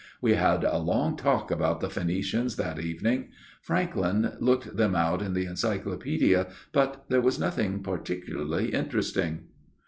We had a long talk about the Phoenicians that even ing. Franklyn looked them out in the Encyclo paedia, but there was nothing particularly interesting.